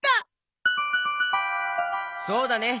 そうだね！